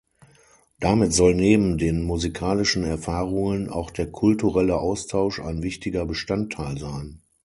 Damit soll neben den musikalischen Erfahrungen auch der kulturelle Austausch ein wichtiger Bestandteil sein.